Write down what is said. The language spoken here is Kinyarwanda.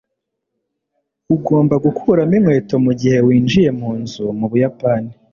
ugomba gukuramo inkweto mugihe winjiye munzu mu buyapani